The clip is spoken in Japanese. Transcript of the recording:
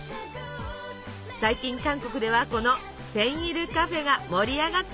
最近韓国ではこの「センイルカフェ」が盛り上がっています。